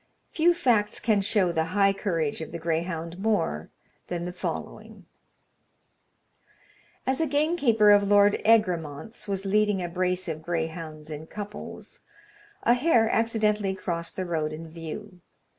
Few facts can show the high courage of the greyhound more than the following: As a gamekeeper of Lord Egremont's was leading a brace of greyhounds in couples, a hare accidentally crossed the road in view.